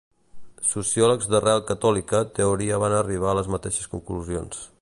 Sociòlegs d'arrel catòlica teoria van arribar a les mateixes conclusions.